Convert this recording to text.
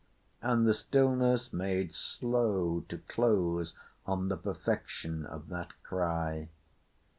and the stillness made slow to close on the perfection of that cry.